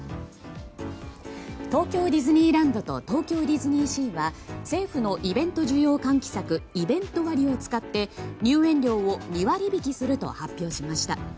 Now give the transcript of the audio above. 東京ディズニーランドと東京ディズニーシーは政府のイベント需要喚起策イベント割を使って入園料を２割引きすると発表しました。